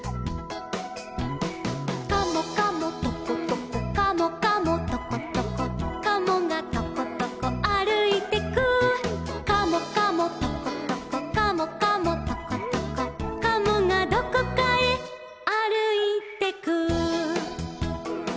「カモカモトコトコカモカモトコトコ」「カモがトコトコあるいてく」「カモカモトコトコカモカモトコトコ」「カモがどこかへあるいてく」